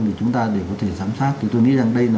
thì chúng ta để có thể giám sát thì tôi nghĩ rằng đây là